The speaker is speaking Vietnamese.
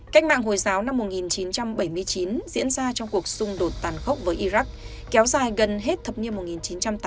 cách mạng hồi giáo năm một nghìn chín trăm bảy mươi chín diễn ra trong cuộc xung đột tàn khốc với iraq kéo dài gần hết thập nhiên một nghìn chín trăm tám mươi tám